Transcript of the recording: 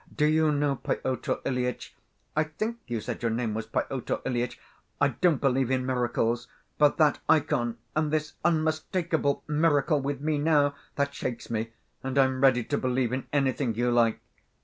Do you know, Pyotr Ilyitch (I think you said your name was Pyotr Ilyitch), I don't believe in miracles, but that ikon and this unmistakable miracle with me now—that shakes me, and I'm ready to believe in anything you like.